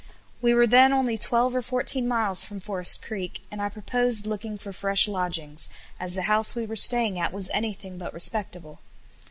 We were then only twelve or fourteen miles from Forest Creek, and I proposed looking for fresh lodgings, as the house we were staying at was anything but respectable.